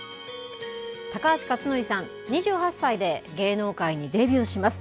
高橋克典さん、２８歳で芸能界にデビューします。